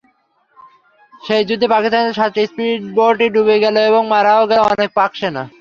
সেই যুদ্ধে পাকিস্তানিদের সাতটি স্পিডবোটই ডুবে গেল এবং মারাও গেল অনেক পাকসেনা।